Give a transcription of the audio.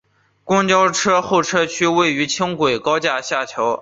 公交候车区位于城轨高架桥下。